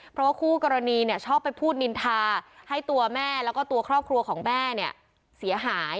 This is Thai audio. เพราะว่าคู่กรณีเนี่ยชอบไปพูดนินทาให้ตัวแม่แล้วก็ตัวครอบครัวของแม่เนี่ยเสียหาย